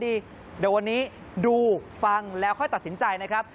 เดี๋ยววันนี้ดูฟังแล้วค่อยตัดสินใจนะครับ